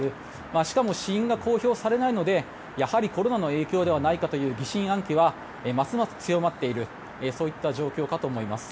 しかも死因が公表されないのでやはりコロナの影響ではないかという疑心暗鬼はますます強まっているそういった状況かと思います。